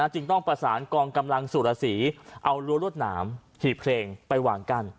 จึงต้องประสานกองกำลังสุรสีเอารั้วรวดหนามหีบเพลงไปวางกั้น